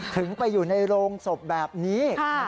ถึงไปอยู่ในโรงศพแบบนี้